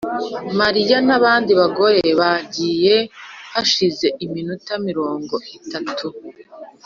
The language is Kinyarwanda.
mariya nabandi bagore bagiye hashize iminota mirongo itatu.